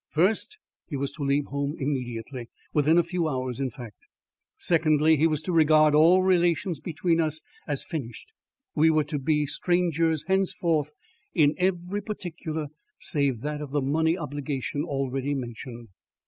First: he was to leave home immediately ... within a few hours, in fact. Secondly: he was to regard all relations between us as finished; we were to be strangers henceforth in every particular save that of the money obligation already mentioned.